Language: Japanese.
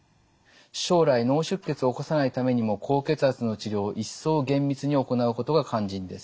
将来脳出血を起こさないためにも高血圧の治療を一層厳密に行うことが肝心です。